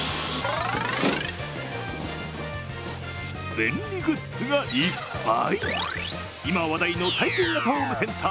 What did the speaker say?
便利グッズがいっぱい。